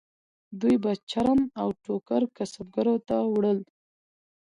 دوی به چرم او ټوکر کسبګرو ته ووړل.